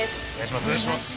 お願いします。